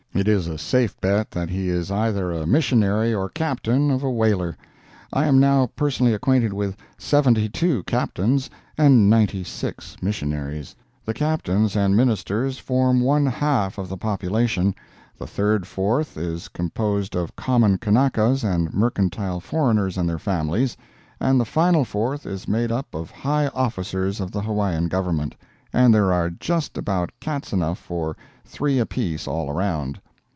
It is a safe bet that he is either a missionary or captain of a whaler. I am now personally acquainted with seventy two captains and ninety six missionaries. The captains and ministers form one half of the population; the third fourth is composed of common Kanakas and mercantile foreigners and their families, and the final fourth is made up of high officers of the Hawaiian Government. And there are just about cats enough for three apiece all around.